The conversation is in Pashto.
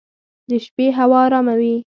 د شپې هوا ارامه وي.